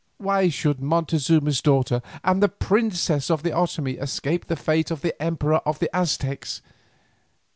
Why should Montezuma's daughter and the princess of the Otomie escape the fate of the emperor of the Aztecs?